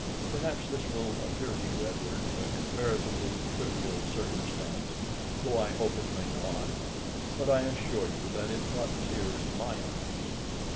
Perhaps this will appear to you, Edward, a comparatively trivial circumstance (though I hope it may not), but I assure you that it brought tears to my eyes.